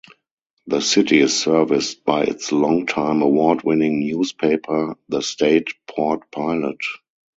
The city is serviced by its long-time award-winning newspaper The State Port Pilot.